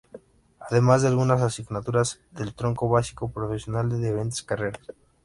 Además de algunas asignaturas del Tronco Básico Profesional de diferentes carreras.